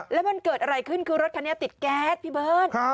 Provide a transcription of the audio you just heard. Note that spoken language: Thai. แล้วมันเกิดอะไรขึ้นคือรถคันนี้ติดแก๊สพี่เบิร์ต